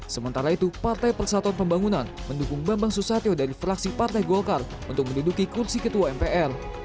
sementara itu partai persatuan pembangunan mendukung bambang susatyo dari fraksi partai golkar untuk menduduki kursi ketua mpr